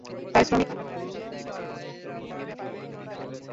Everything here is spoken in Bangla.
তাই শ্রমিক পাঠানোর চেয়ে দেশে সৌদি বিনিয়োগের ব্যাপারে জোর দেওয়া হচ্ছে।